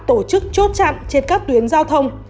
tổ chức chốt chặn trên các tuyến giao thông